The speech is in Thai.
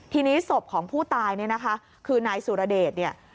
ทีนี้ศพของผู้ตายเนี่ยนะคะคือนายสุรเดชเนี่ย